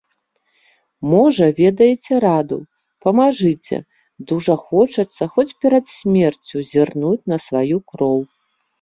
Можа, ведаеце раду, памажыце, дужа хочацца хоць перад смерцю зірнуць на сваю кроў.